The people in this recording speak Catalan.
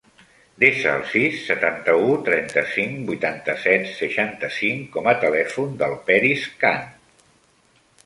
Desa el sis, setanta-u, trenta-cinc, vuitanta-set, seixanta-cinc com a telèfon del Peris Khan.